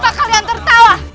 kenapa kalian tertawa